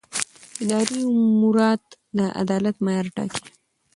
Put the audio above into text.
اداري مقررات د عدالت معیار ټاکي.